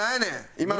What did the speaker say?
今の。